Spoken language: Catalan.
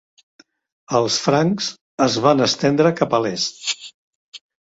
Els francs es van estendre cap a l'est.